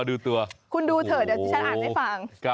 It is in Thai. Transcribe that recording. ทุกคนดูเถอะเดี๋ยวชั้นอ่านให้ฟัง